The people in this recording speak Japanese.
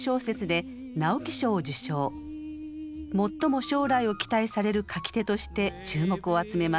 最も将来を期待される書き手として注目を集めます。